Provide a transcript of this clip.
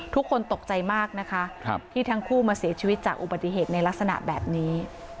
ทุกคนตกใจมากนะคะที่ทั้งคู่มาเสียชีวิตจากอุบัติเหตุในลักษณะแบบนี้